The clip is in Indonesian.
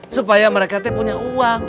supaya mereka punya uang